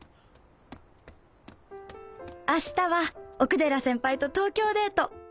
明日は奥寺先輩と東京デート。